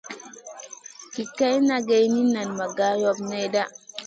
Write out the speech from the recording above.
Ki kaï na geyni, nan ma gar loɓ nèhda.